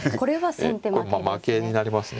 負けになりますね